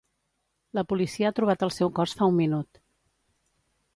La policia ha trobat el seu cos fa un minut.